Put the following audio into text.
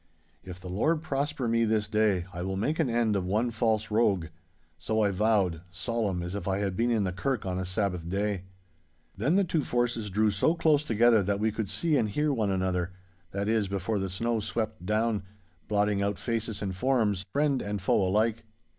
'If the Lord prosper me this day, I will make an end of one false rogue!' So I vowed, solemn as if I had been in the kirk on a Sabbath day. Then the two forces drew so close together that we could see and hear one another—that is, before the snow swept down, blotting out faces and forms, friend and foe alike.